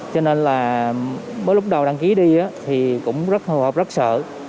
cho nên là mới lúc đầu đăng ký đi thì cũng rất hồ hộp rất sợ